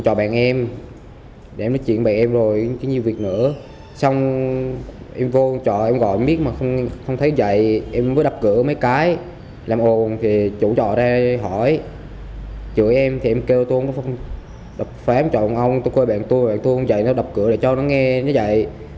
con tôi coi bạn tôi bạn tôi con dạy nó đập cửa để cho nó nghe nó dạy